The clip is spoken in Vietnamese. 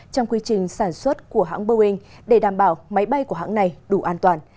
trong quy trình sản xuất của hãng boeing để đảm bảo máy bay của hãng này đủ an toàn